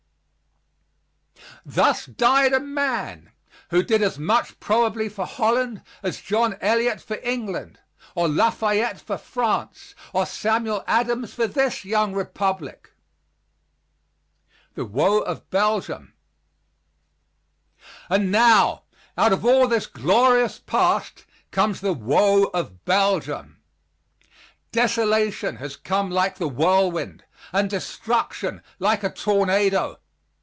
Thus died a man who did as much probably for Holland as John Eliot for England, or Lafayette for France, or Samuel Adams for this young republic. THE WOE OF BELGIUM And now out of all this glorious past comes the woe of Belgium. Desolation has come like the whirlwind, and destruction like a tornado.